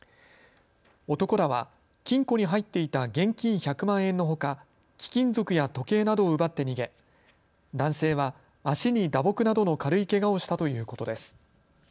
男らは金庫に入っていた現金１００万円のほか貴金属や時計などを奪って逃げ男性は足に打撲などの軽いけがをしたということです。